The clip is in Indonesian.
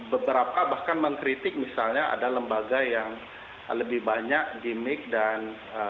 beberapa bahkan mengkritik misalnya ada lembaga yang lebih banyak gimmick dan